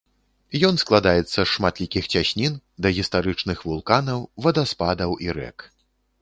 Ён складаецца з шматлікіх цяснін, дагістарычных вулканаў, вадаспадаў і рэк.